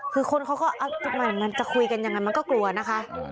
คือคนเขาก็อ้าวตกใหม่มันจะคุยไปก็กลัวนะคะ